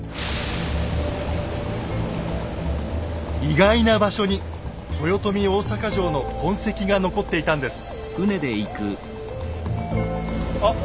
意外な場所に豊臣大坂城の痕跡が残っていたんです。